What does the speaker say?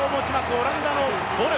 オランダのボル